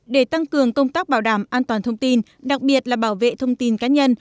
để tăng cường công tác bảo đảm an toàn thông tin đặc biệt là bảo vệ thông tin cá nhân